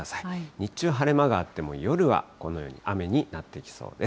日中晴れ間があっても、夜はこのように雨になってきそうです。